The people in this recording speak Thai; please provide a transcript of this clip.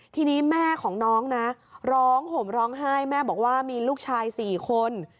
ทีนี้แม่ของน้องนะร้องห่มร้องไห้แม่บอกว่ามีลูกชาย๔คน